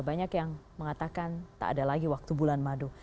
banyak yang mengatakan tak ada lagi waktu bulan madu